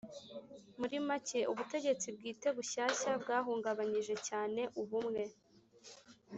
Muri make ubutegetsi bwite bushyashya bwahungabanyije cyane ubumwe